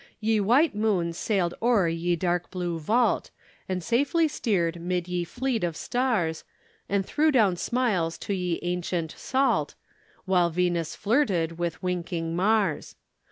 Ye white moon sailed o'er ye dark blue vault, And safely steered mid ye fleet of starres, And threw down smiles to ye antient salt, While Venus flyrtede with wynkynge Mars.